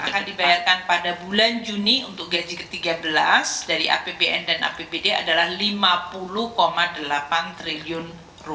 akan dibayarkan pada bulan juni untuk gaji ke tiga belas dari apbn dan apbd adalah rp lima puluh delapan triliun